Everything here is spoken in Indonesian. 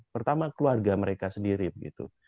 pertama keluarga mereka sendiri begitu